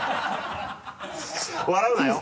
笑うなよ。